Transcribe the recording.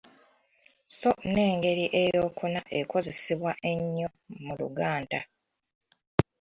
Sso n’engeri eyookuna ekozesebwa ennyo mu Luganda.